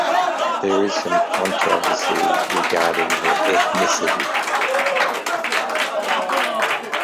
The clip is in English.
There is some controversy regarding her ethnicity.